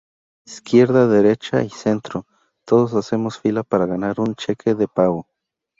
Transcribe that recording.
Izquierda, derecha y centro, todos hacemos fila para ganar un cheque de pago.